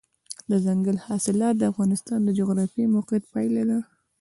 دځنګل حاصلات د افغانستان د جغرافیایي موقیعت پایله ده.